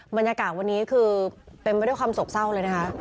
บรรยากาศวันนี้คือเต็มไปด้วยความโศกเศร้าเลยนะคะ